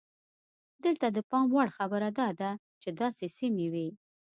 دلته د پام وړ خبره دا ده چې داسې سیمې وې.